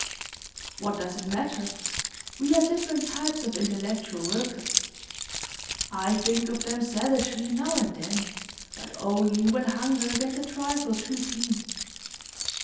'What does it matter? We are different types of intellectual workers. I think of them savagely now and then, but only when hunger gets a trifle too keen.